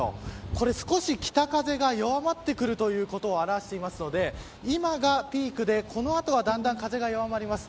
これ少し北風が弱まってくるということを表しているので今がピークでこの後はだんだん風が弱まります。